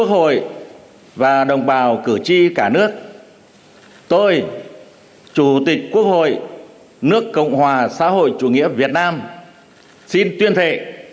hãy đăng ký kênh để ủng hộ kênh của mình nhé